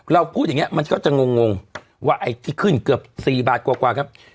พูดอย่างนี้มันก็จะงงว่าไอ้ที่ขึ้นเกือบ๔บาทกว่าครับ